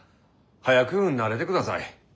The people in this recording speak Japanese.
早く慣れてください。